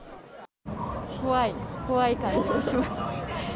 怖い、怖い感じがします。